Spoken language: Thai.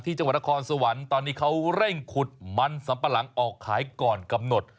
จังหวัดนครสวรรค์ตอนนี้เขาเร่งขุดมันสัมปะหลังออกขายก่อนกำหนด